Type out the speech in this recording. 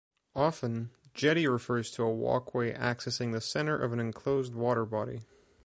Often, "jetty" refers to a walkway accessing the centre of an enclosed waterbody.